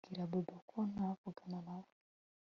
Bwira Bobo ko ntavugana nawe